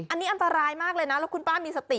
อันนี้อันตรายมากเลยนะแล้วคุณป้ามีสติ